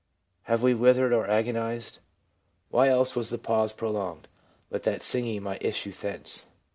'... Have we withered or agonised ? Why else was the pause prolonged, but that singing might issue thence